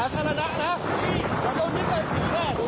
รันรันอุปแวรเยออุปแวว